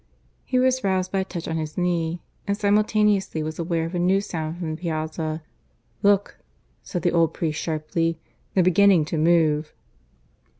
He was roused by a touch on his knee, and simultaneously was aware of a new sound from the piazza. "Look," said the old priest sharply. "They're beginning to move."